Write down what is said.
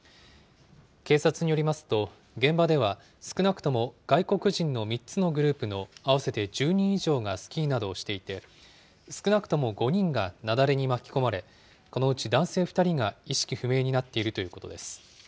警察によりますと、現場では少なくとも外国人の３つのグループの合わせて１０人以上がスキーなどをしていて、少なくとも５人が雪崩に巻き込まれ、このうち男性２人が、意識不明になっているということです。